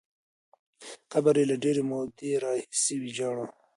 قبر یې له ډېرې مودې راهیسې ویجاړ وو.